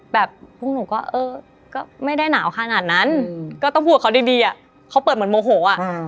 พวกหนูก็เออก็ไม่ได้หนาวขนาดนั้นก็ต้องพูดกับเขาดีอะเขาเปิดเหมือนโมโหอ่ะ